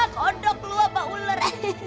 kodok lu abang ular